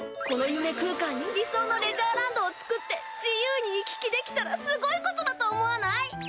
この夢空間に理想のレジャーランドを作って自由に行き来できたらすごいことだと思わない？